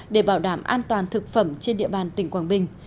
để bảo đảm an toàn thực phẩm trên địa bàn tỉnh quảng bình